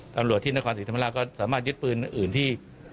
ตำรวจที่นครศรีธรรมราชก็สามารถยึดปืนอื่นที่